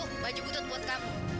tuh baju butut buat kamu